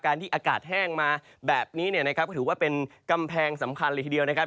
การที่อากาศแห้งมาแบบนี้ถือว่าเป็นกำแพงสำคัญเลยทีเดียวนะครับ